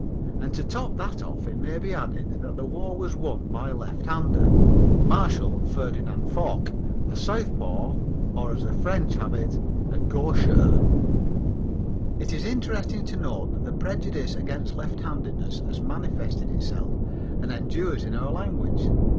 And to top that off it may be added that the war was won by a lefthander, Marshal Ferdinand Foch, a southpaw, or, as the French have it, gaucher. It is interesting to note that the prejudice against lefthandedness has manifested itself and endures in our language.